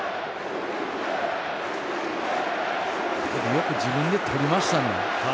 よく自分でとりましたね。